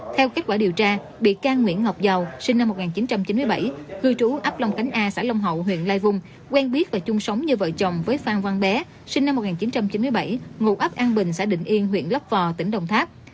theo kết quả điều tra bị can nguyễn ngọc giàu sinh năm một nghìn chín trăm chín mươi bảy cư trú ấp long cánh a xã long hậu huyện lai vung quen biết và chung sống như vợ chồng với phan văn bé sinh năm một nghìn chín trăm chín mươi bảy ngụ ấp an bình xã định yên huyện lấp vò tỉnh đồng tháp